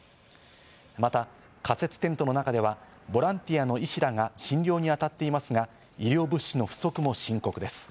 また仮設テントの中ではボランティアの医師らが診療に当たっていますが、医療物資の不足も深刻です。